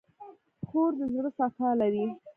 خور د زړه صفا لري.